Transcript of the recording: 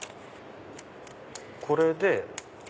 これで。